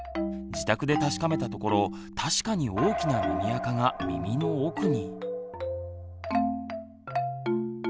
自宅で確かめたところ確かに大きな耳あかが耳の奥に。